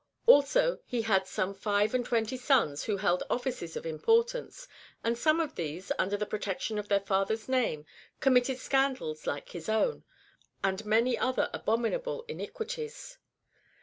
Also he had some five and twenty sons who held offices of importance, and some of these, under the protection of their father's name, committed scandals like his own, and many other abom inable iniquities.